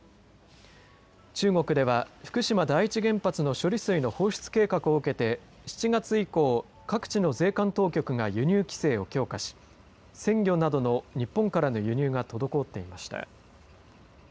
中国では福島第一原発の処理水の放出計画を受けて７月以降、各地の税関当局が輸入規制を強化し鮮魚などの日本からの輸入が滞っていました。